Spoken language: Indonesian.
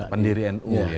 pendiri nu ya